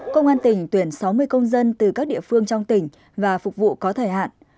công an tỉnh tuyển sáu mươi công dân từ các địa phương trong tỉnh và phục vụ có thời hạn